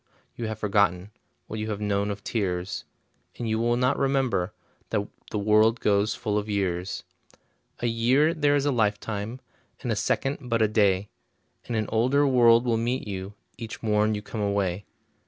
you have forgotten What you have known of tears, And you will not remember That the world goes full of years. A year there is a lifetime, And a second but a day, And an older world will meet you Each morn you come away.